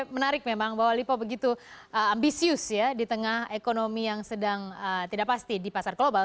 menarik memang bahwa lipo begitu ambisius ya di tengah ekonomi yang sedang tidak pasti di pasar global